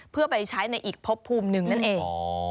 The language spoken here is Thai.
เพื่อไปใช้ในอีกพบภูมิหนึ่งนั่นเอง